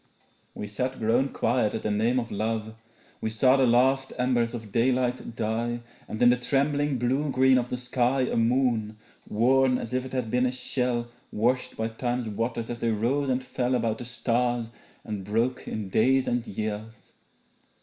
We sat grown quiet at the name of love. We saw the last embers of daylight die And in the trembling blue green of the sky A moon, worn as if it had been a shell Washed by time's waters as they rose and fell About the stars and broke in days and years.